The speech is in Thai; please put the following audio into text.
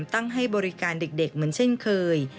ให้บริการเด็กเหมือนเช่นเคย